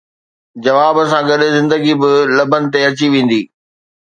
جواب سان گڏ زندگي به لبن تي اچي ويندي